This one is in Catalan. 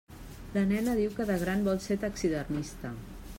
La nena diu que de gran vol ser taxidermista.